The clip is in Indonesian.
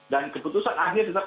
dan keputusan akhir tetap